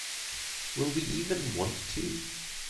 Will we even want to?